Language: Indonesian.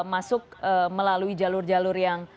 masuk melalui jalur jalur yang